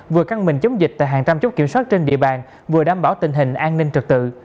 vừa căng mình chống dịch tại hàng trăm kiểm soát trên địa bàn vừa đảm bảo tình hình an ninh trật tự